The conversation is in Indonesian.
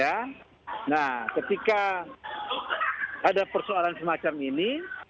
nah ketika ada persoalan semacam ini